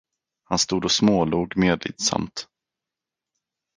Han stod och smålog medlidsamt.